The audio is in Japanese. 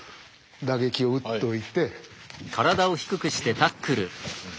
打撃を打っといて。